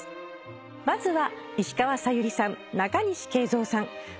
まずは。